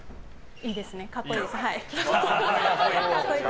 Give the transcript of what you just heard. いいですね、格好いいです。